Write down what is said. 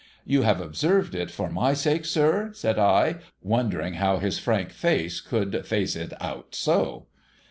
' You have observed it for my sake, sir ?' said I, wondering how his frank face could face it out so.